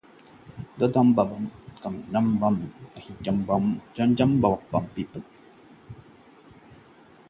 दिल्ली: बच्चे के आए कम नंबर तो महिला टीचर की जमकर की पिटाई